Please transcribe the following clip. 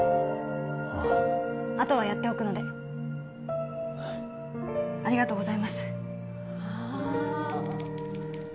あああとはやっておくのでありがとうございますあ